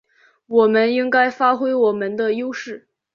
我们应该发挥我们的优势